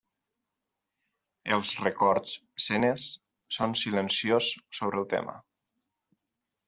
Els records Senes són silenciós sobre el tema.